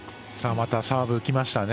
またサーブきましたね。